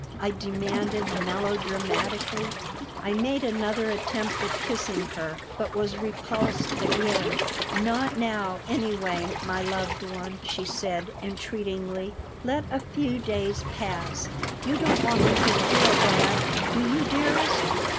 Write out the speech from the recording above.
I demanded, melodramatically I made another attempt at kissing her, but was repulsed again "Not now, anyway, my loved one," she said, entreatingly. "Let a few days pass. You don't want me to feel bad, do you, dearest?"